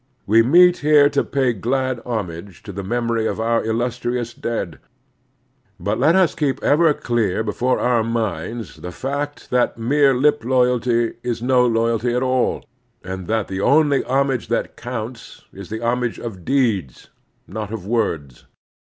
We meet here to pay glad homage to the memory of our iUtistrious dead; but let us keep ever clear before our minds the fact that mere lip loyalty is no loyalty at all, and that the only homage that coimts is the homage of deeds, not of words.